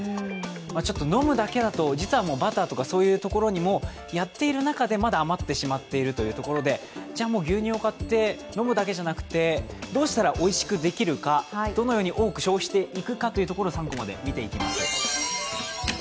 飲むだけだと、バターとかやっている中でまだ余ってしまっているという中で牛乳を買って、飲むだけじゃなくてどうしたらおいしくできるか、どのように多く消費していくか３コマで見ていきましょう。